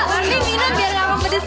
aduh ini minum biar nggak mau pedesan